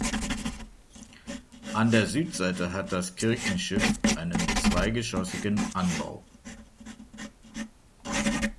An der Südseite hat das Kirchenschiff einen zweigeschossigen Anbau.